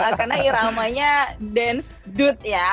itu karena iramanya dance dude ya